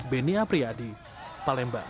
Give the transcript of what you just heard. benny apriadi palembang